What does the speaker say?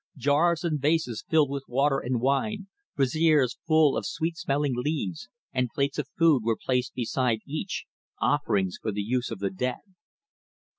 Jars and vases filled with water and wine, braziers full of sweet smelling leaves, and plates of food were placed beside each, offerings for the use of the dead.